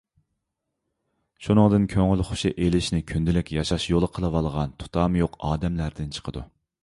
شۇنىڭدىن كۆڭۈل خوشى ئېلىشنى كۈندىلىك ياشاش يولى قىلىۋالغان تۇتامى يوق ئادەملەردىن چىقىدۇ.